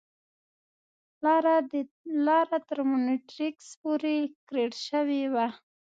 لاره تر مونیټریکس پورې کریړ شوې وه.